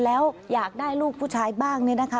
แล้วอยากได้ลูกผู้ชายบ้างเนี่ยนะคะ